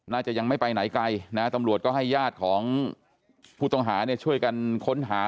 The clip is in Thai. น่าจะยังไม่ไปไหนไกลนะตำรวจก็ให้ญาติของผู้ต้องหาเนี่ยช่วยกันค้นหา